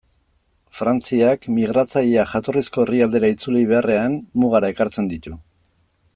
Frantziak migratzaileak jatorrizko herrialdera itzuli beharrean, mugara ekartzen ditu.